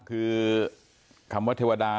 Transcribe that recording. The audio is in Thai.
คือคำว่าเทวดา